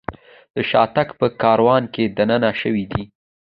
د شاتګ په کاروان کې دننه شوي دي.